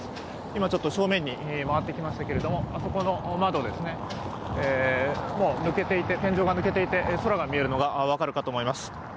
今、正面に回ってきましたが、そこの窓も天井がもう天井が抜けていて、空が見えるのが分かるかと思います。